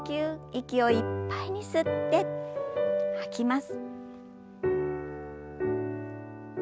息をいっぱいに吸って吐きます。